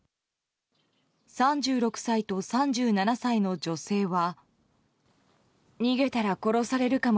３６歳と３７歳の女性は。